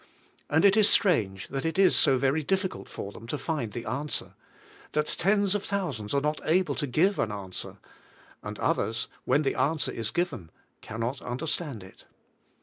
And it is strange that it is so very difficult for them to find the answer; that tens of thousands are not able to give an answer; and others, when the answer is given, can not understand it.